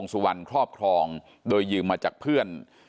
สุวรรณครอบครองโดยยืมมาจากเพื่อน